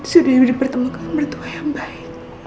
sudah dipertemukan mertua yang baik